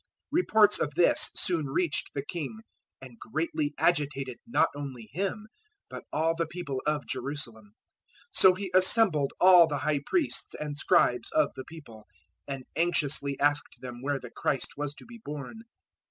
002:003 Reports of this soon reached the king, and greatly agitated not only him but all the people of Jerusalem. 002:004 So he assembled all the High Priests and Scribes of the people, and anxiously asked them where the Christ was to be born.